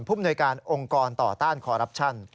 ผู้บุ๋นวยการองค์กรต่อตั้นคอไลฟ์ชัน